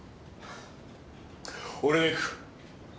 俺が行く。